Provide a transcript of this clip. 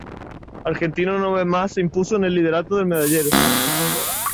Argentina una vez más se impuso en el liderato del medallero.